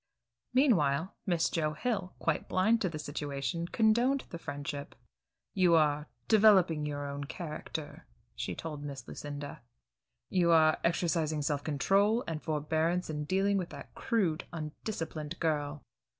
Meanwhile Miss Joe Hill, quite blind to the situation, condoned the friendship. "You are developing your own character," she told Miss Lucinda. "You are exercising self control and forbearance in dealing with that crude, undisciplined girl.